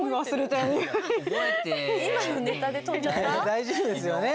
大丈夫ですよね？